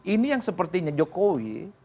ini yang sepertinya jokowi